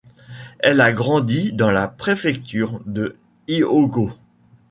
Elle a grandi dans la préfecture de Hyōgo.